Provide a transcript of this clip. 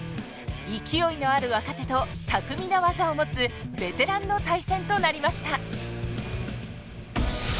勢いのある若手と巧みな技を持つベテランの対戦となりました。